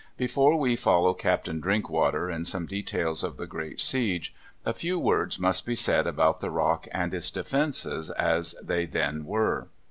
Before we follow Captain Drinkwater in some details of the great siege, a few words must be said about the Rock and its defences as they then were.